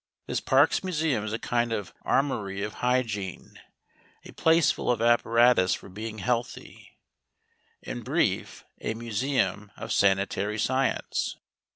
This Parkes Museum is a kind of armoury of hygiene, a place full of apparatus for being healthy in brief, a museum of sanitary science.